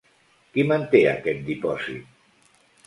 Qui manté aquest dipòsit?